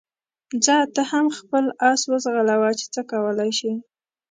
ځه ته هم خپل اس وځغلوه چې څه کولای شې.